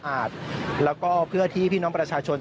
มาดูบรรจากาศมาดูความเคลื่อนไหวที่บริเวณหน้าสูตรการค้า